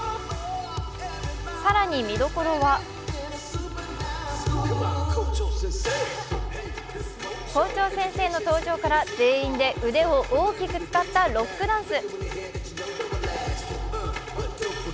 更に見どころは校長先生の登場から全員で腕を大きく使ったロックダンス。